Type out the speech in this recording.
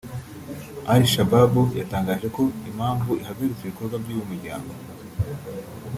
Al-Shabab yatangaje ko impamvu ihagaritse ibikorwa by’uyu muryango